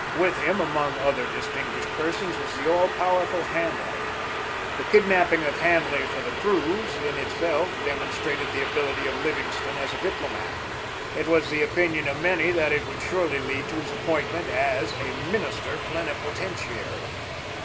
With him, among other distinguished persons, was the all powerful Hanley. The kidnapping of Hanley for the cruise, in itself, demonstrated the ability of Livingstone as a diplomat. It was the opinion of many that it would surely lead to his appointment as a minister plenipotentiary.